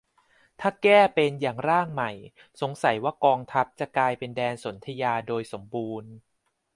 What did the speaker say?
ถ้าแก้เป็นอย่างร่างใหม่ สงสัยว่ากองทัพจะกลายเป็นแดนสนธยาโดยสมบูรณ์